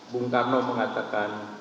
bu karno mengatakan